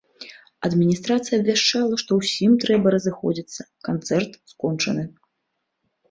Адміністрацыя абвяшчала, што ўсім трэба разыходзіцца, канцэрт скончаны.